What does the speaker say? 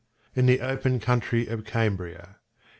In the open country of Cambria.